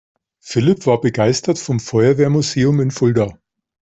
Philipp war begeistert vom Feuerwehrmuseum in Fulda.